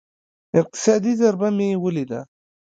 اقتصادي ضربه مې وليده.